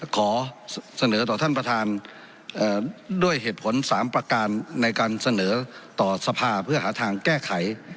ขอเสนอต่อท่านประธานด้วยเหตุผล๓ประการในการเสนอต่อสภาเพื่อหาทางแก้ไข